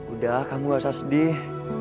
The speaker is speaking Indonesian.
udah kamu gak usah sedih